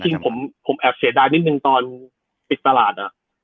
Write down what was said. จริงผมแอบเสียดายนิดนึงตอนปิดตลาด